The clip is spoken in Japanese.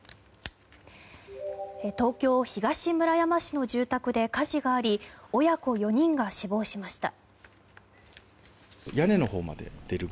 東京・東村山市の住宅で火事があり親子４人が死亡しました。